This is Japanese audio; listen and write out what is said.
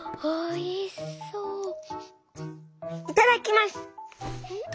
「いただきます。